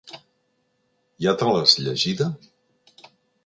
Ja te l'has llegida?